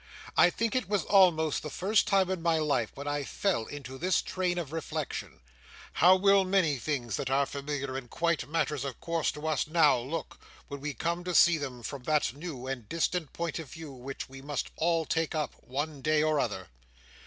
I think it was almost the first time in my life when I fell into this train of reflection—how will many things that are familiar, and quite matters of course to us now, look, when we come to see them from that new and distant point of view which we must all take up, one day or other?